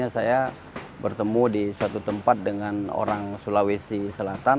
saya bertemu di suatu tempat dengan orang sulawesi selatan